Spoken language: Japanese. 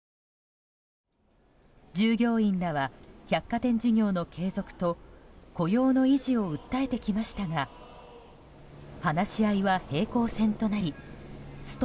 従業員らは百貨店事業の継続と雇用の維持を訴えてきましたが話し合いは平行線となりスト